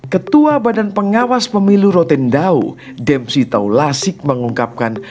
ketua badan pengawas pemilu rotendau demsy tau lasik mengungkapkan